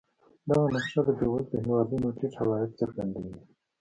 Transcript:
دغه نقشه د بېوزلو هېوادونو ټیټ عواید څرګندوي.